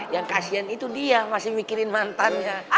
yang kasian itu dia masih mikirin mantannya